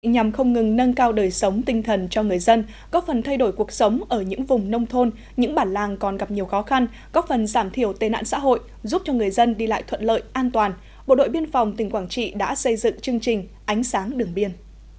nhằm không ngừng nâng cao đời sống tinh thần cho người dân góp phần thay đổi cuộc sống ở những vùng nông thôn những bản làng còn gặp nhiều khó khăn góp phần giảm thiểu tên ạn xã hội giúp cho người dân đi lại thuận lợi an toàn bộ đội biên phòng tỉnh quảng trị đã xây dựng chương trình ánh sáng đường biên